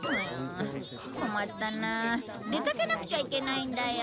困ったなあ出かけなくちゃいけないんだよ。